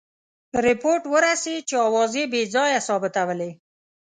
رپوټ ورسېد چې آوازې بې ځایه ثابتولې.